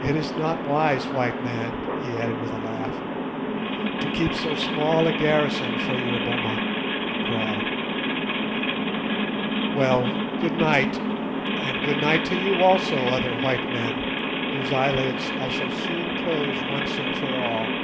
It is not wise, white man," he added with a laugh, "to keep so small a garrison for your 'boma' [kraal]. Well, good night, and good night to you also, other white men, whose eyelids I shall soon close once and for all.